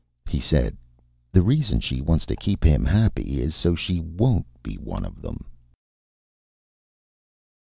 He said: "The reason she wants to keep him happy is so she won't be one of them."